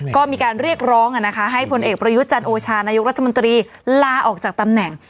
ก็มีการเรียกร้องให้ผลเอกประยุทธ์จันโอชานายกรัฐมนตรีลาออกจากตำแหน่ง